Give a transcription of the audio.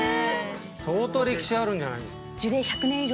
相当歴史あるんじゃないですか？